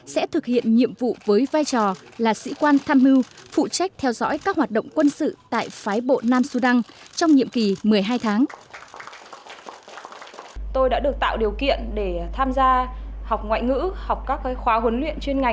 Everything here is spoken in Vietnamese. sẽ thực hiện nhiệm vụ với vai trò là sĩ quan tham mưu phụ trách theo dõi các hoạt động quân sự tại phái bộ nam sudan trong nhiệm kỳ một mươi hai tháng